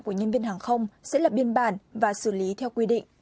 của nhân viên hàng không sẽ lập biên bản và xử lý theo quy định